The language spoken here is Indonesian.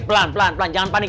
pelan pelan jangan panik